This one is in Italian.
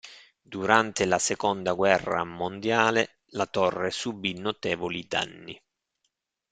Durante la seconda guerra mondiale la torre subì notevoli danni.